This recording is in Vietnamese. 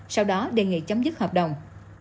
sau đó đề nghị chấm dứt hợp đồng